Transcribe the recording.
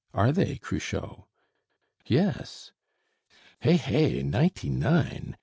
Are they, Cruchot?" "Yes." "Hey, hey! Ninety nine!"